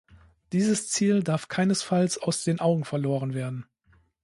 Dieses Ziel darf keinesfalls aus den Augen verloren werden.